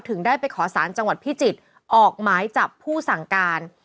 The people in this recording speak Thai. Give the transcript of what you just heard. ได้ไปขอสารจังหวัดพิจิตรออกหมายจับผู้สั่งการ